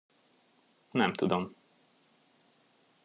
Nem tudom.